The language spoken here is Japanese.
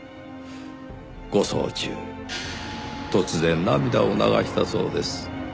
護送中突然涙を流したそうです。